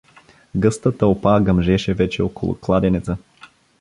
Гъста тълпа гъмжеше вече около кладенеца.